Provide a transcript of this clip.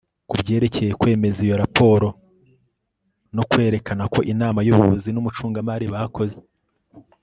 ku byerekeye kwemeza iyo raporo no kwerekana ko inama y'ubuyobozi n'umucungamari bakoze